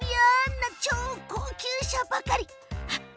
な超高級車ばかり。